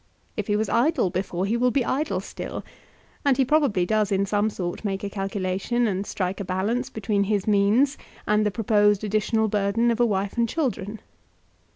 If he was idle before he will be idle still; and he probably does in some sort make a calculation and strike a balance between his means and the proposed additional burden of a wife and children.